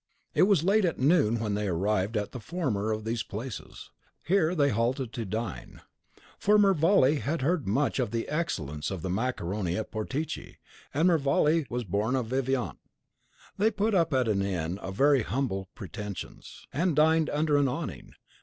It was late at noon when they arrived at the former of these places. Here they halted to dine; for Mervale had heard much of the excellence of the macaroni at Portici, and Mervale was a bon vivant. They put up at an inn of very humble pretensions, and dined under an awning.